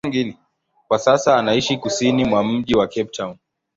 Kwa sasa anaishi kusini mwa mji wa Cape Town.